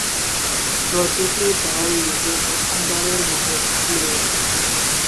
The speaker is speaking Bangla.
প্রতিটি দল লীগে প্রথমবারের মতো খেলবে।